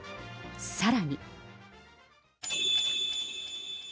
さらに。